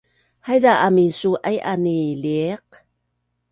haiza amin su’aian i liiq